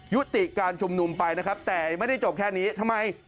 ยุติการชุมนุมไปนะครับแต่ไม่ได้จบแค่นี้ทำไม